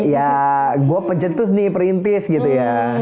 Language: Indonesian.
ya gue pencetus nih perintis gitu ya